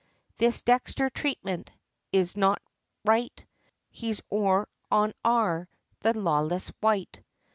This Dexter treatment, Is not right; He's Or, on Ar, The lawless wight!